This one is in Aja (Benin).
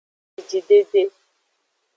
Ejidede.